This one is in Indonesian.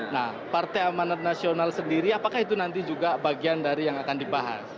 nah partai amanat nasional sendiri apakah itu nanti juga bagian dari yang akan dibahas